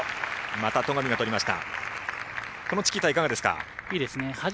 また、戸上が取りました。